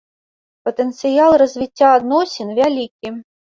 Патэнцыял развіцця адносін вялікі.